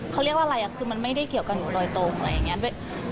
เขาเรียกว่าอะไรคือมันไม่ได้เกี่ยวกับหนูโดยตรงอะไรอย่างนี้ด้วย